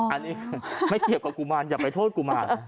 อ๋ออันนี้ไม่เทียบกับกุมารอย่าไปโทษกุมาร